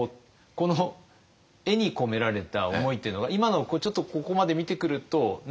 この絵に込められた思いっていうのは今のちょっとここまで見てくると何か感じるところあるんですか？